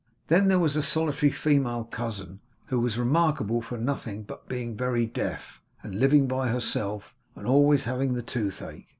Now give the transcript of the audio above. Then there was a solitary female cousin who was remarkable for nothing but being very deaf, and living by herself, and always having the toothache.